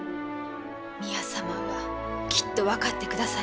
宮様はきっと分かってくださいます。